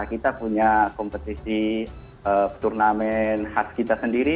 kita punya kompetisi turnamen khas kita sendiri